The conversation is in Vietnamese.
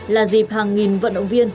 là dịp hàng nghìn vận động viên